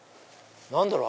何だろう？